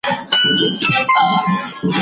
پر دښمن به مو ترخه زندګاني کړه